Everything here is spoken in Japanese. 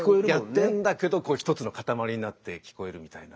やってんだけど１つのかたまりになって聞こえるみたいな。